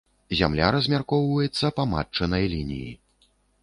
Зямля размяркоўваецца па матчынай лініі.